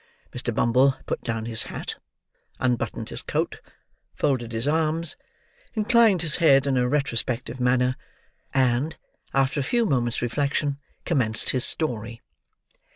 Mr. Bumble put down his hat; unbuttoned his coat; folded his arms; inclined his head in a retrospective manner; and, after a few moments' reflection, commenced his story.